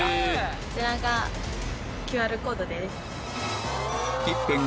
こちらがＱＲコードです。